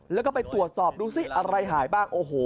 แล้วก็ไปตรวจสอบดูซิอะไรหายบ้างโอ้โห